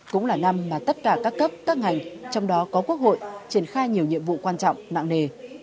cũng là năm mà tất cả các cấp các ngành trong đó có quốc hội triển khai nhiều nhiệm vụ quan trọng nặng nề